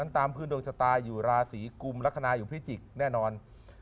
ตามพื้นดวงชะตาอยู่ราศีกุมลักษณะอยู่พิจิกแน่นอน